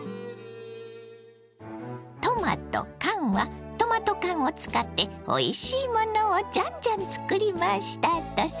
トマとカンはトマト缶を使っておいしいものをジャンジャン作りましたとさ。